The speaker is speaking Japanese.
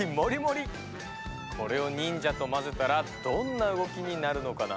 これを忍者とまぜたらどんな動きになるのかな？